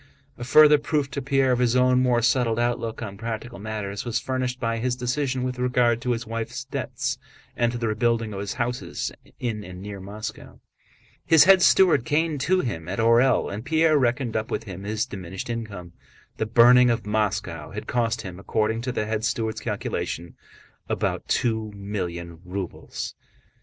A further proof to Pierre of his own more settled outlook on practical matters was furnished by his decision with regard to his wife's debts and to the rebuilding of his houses in and near Moscow. His head steward came to him at Orël and Pierre reckoned up with him his diminished income. The burning of Moscow had cost him, according to the head steward's calculation, about two million rubles.